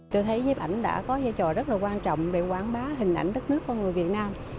tôi thấy nhiếp ảnh đã có giai trò rất là quan trọng để quảng bá hình ảnh đất nước con người việt nam